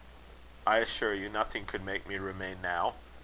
"I assure you nothing could make me remain now.